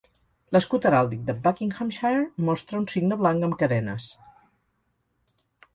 L'escut heràldic de Buckinghamshire mostra un cigne blanc amb cadenes.